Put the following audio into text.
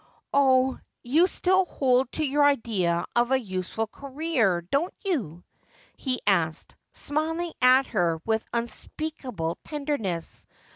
' Oh, you still hold to your idea of a useful career, do you V he asked, smiling at her with unspeakable tenderness.